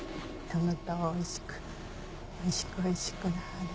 トノトおいしくおいしくおいしくなれ。